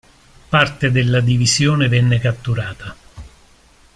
Parte della divisione venne catturata.